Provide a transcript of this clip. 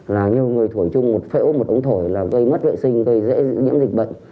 là nhiều người thổi chung một phễu một ống thổi là gây mất vệ sinh gây dễ nhiễm dịch bệnh